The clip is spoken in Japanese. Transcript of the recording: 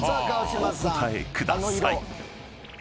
お答えください］